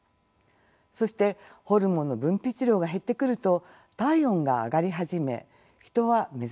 そしてホルモンの分泌量が減ってくると体温が上がり始め人は目覚めてきます。